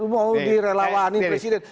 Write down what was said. mau direlawanin presiden